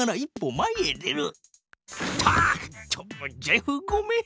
ちょっとジェフごめん。